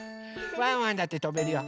ワンワンだってとべるよ。